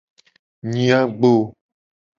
Nyi agbo.